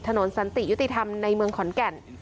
สันติยุติธรรมในเมืองขอนแก่น